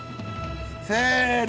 せの！